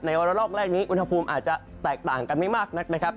ระลอกแรกนี้อุณหภูมิอาจจะแตกต่างกันไม่มากนักนะครับ